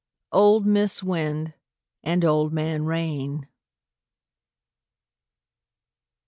Old Mis' Wind and Old Man Rain.